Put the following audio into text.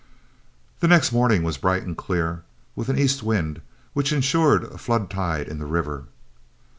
The next morning was bright and clear, with an east wind, which insured a flood tide in the river.